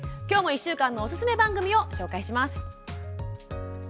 きょうも１週間のおすすめ番組を紹介します。